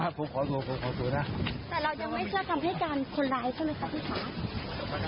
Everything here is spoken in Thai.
แต่เรายังไม่เชื่อกับคำพิการคนร้ายใช่ไหมครับพี่ฟ้า